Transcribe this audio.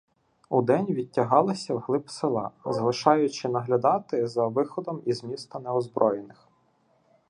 Удень відтягалася вглиб села, залишаючи наглядати за виходом із міста неозброєних.